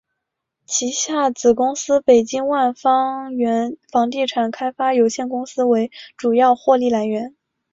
旗下子公司北京万方源房地产开发有限公司为主要获利来源。